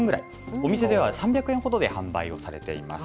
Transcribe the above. お店では３００円ほどで販売されています。